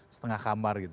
setengah kamar gitu